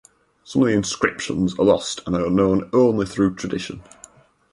Some of the inscriptions are lost and are known only through tradition.